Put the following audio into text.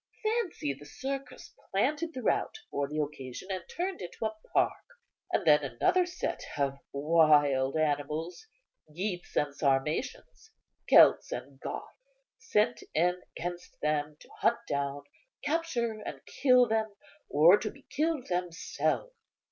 Fancy the circus planted throughout for the occasion, and turned into a park, and then another set of wild animals, Getes and Sarmatians, Celts and Goths, sent in against them, to hunt down, capture and kill them, or to be killed themselves."